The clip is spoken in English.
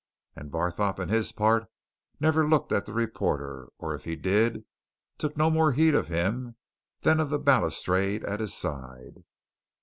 And Barthorpe on his part never looked at the reporter or if he did, took no more heed of him than of the balustrade at his side.